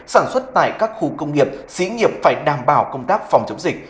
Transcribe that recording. sản xuất tại các khu công nghiệp sĩ nghiệp phải đảm bảo công tác phòng chống dịch